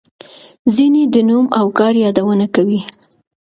ځینې د نوم او کار یادونه کوي.